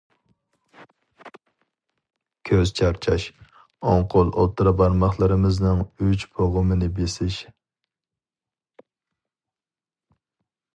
كۆز چارچاش: ئوڭ قول ئوتتۇرا بارماقلىرىمىزنىڭ ئۈچ بوغۇمىنى بېسىش.